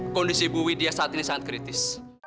kondisi buwi dia saat ini sangat kritis